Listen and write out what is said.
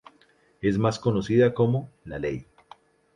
Es más conocida como La Ley.